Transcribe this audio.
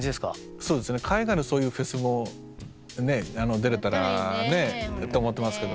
そうですね海外のそういうフェスもね出れたらと思ってますけどね。